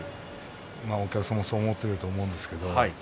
お客さんもそう思っていると思うんですけど。